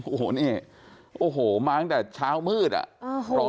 โอ้โหเนี้ยโอ้โหมาทั้งแต่เช้ามืดอ่ะโอ้โห